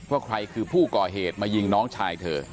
ว่าใครคือผู้ก่อเหตุมายิงน้องชายเธอ